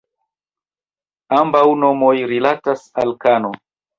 Ambaŭ nomoj rilatas al "kano".